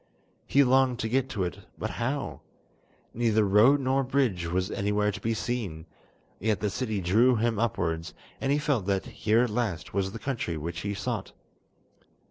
He longed to get to it, but how? neither road nor bridge was anywhere to be seen, yet the city drew him upwards, and he felt that here at last was the country which he sought.